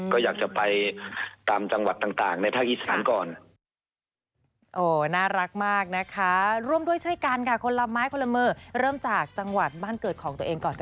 ก็อยากจะไปตามจังหวัดต่างในภาคอีสานก่อน